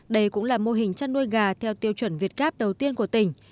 đây cũng là mô hình chăn nuôi gà theo tiêu chuẩn việt gáp đầu tiên của tỉnh